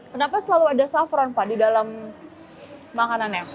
kenapa selalu ada saffron pak di dalam makanannya